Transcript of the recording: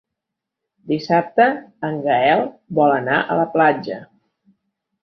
Dissabte en Gaël vol anar a la platja.